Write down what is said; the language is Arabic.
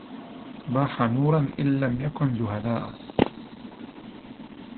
باح نُوراً إن لم نكن جُهَلاءَ